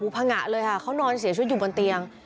ผงะเลยค่ะเขานอนเสียชีวิตอยู่บนเตียง